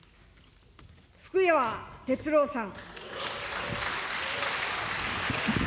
福山哲郎さん。